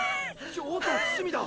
京都伏見だ！